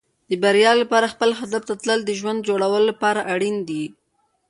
د بریا لپاره خپل هدف ته تلل د ژوند د جوړولو لپاره اړین دي.